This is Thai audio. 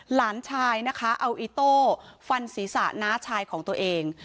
หลานชายนะคะเอาอิโต้ฟันศีรษะน้าชายของตัวเอง